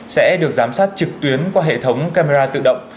sẽ được giám sát trực tuyến qua hệ thống camera tự động